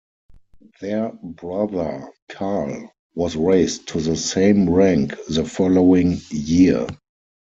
Their brother Karl was raised to the same rank the following year.